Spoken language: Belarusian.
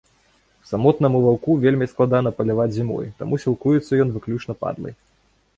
Самотнаму ваўку вельмі складана паляваць зімой, таму сілкуецца ён выключна падлай.